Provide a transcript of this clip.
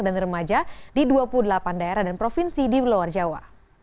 dan remaja di dua puluh delapan daerah dan provinsi di luar jawa